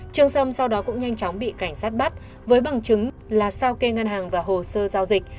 trương sâm sau đó cũng nhanh chóng bị cảnh sát bắt với bằng chứng là sao kê ngân hàng và hồ sơ giao dịch